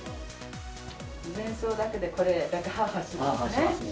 前奏だけでこれだけはーはーしますよね。